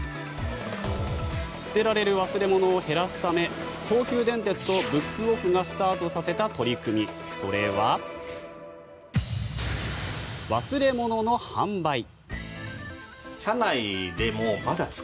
捨てられる忘れ物を減らすため東急電鉄とブックオフがスタートさせた取り組みそれは、忘れ物の販売。